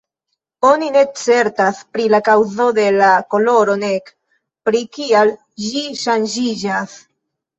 Oni ne certas pri la kaŭzo de la koloro nek pri kial ĝi ŝanĝiĝas.